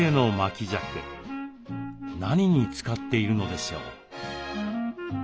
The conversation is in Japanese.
何に使っているのでしょう？